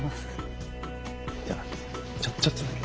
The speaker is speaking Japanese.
じゃあちょっとだけ。